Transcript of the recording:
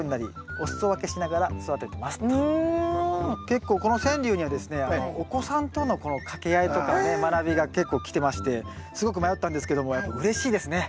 結構この川柳にはですねお子さんとの掛け合いとかね学びが結構来てましてすごく迷ったんですけどもやっぱうれしいですね。